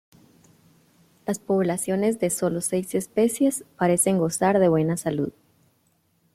Las poblaciones de sólo seis especies parecen gozar de buena salud.